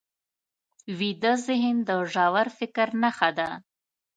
ویده ذهن د ژور فکر نښه ده